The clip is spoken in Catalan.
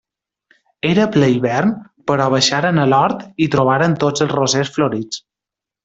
Era a ple hivern, però baixaren a l’hort i trobaren tots els rosers florits.